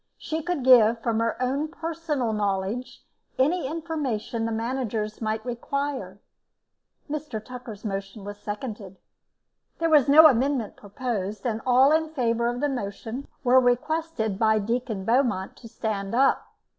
She could give, from her own personal knowledge, any information the managers might require. Mr. Tucker's motion was seconded. There was no amendment proposed, and all in favour of the motion were requested by Deacon Beaumont to stand up.